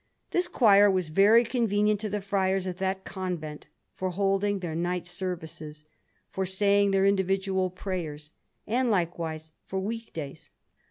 This choir was very convenient to the friars of that convent for holding their night services, for saying their individual prayers, and likewise for week days.